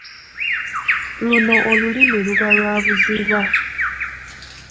Luno olulimi luba lwa buziba.